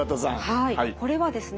はいこれはですね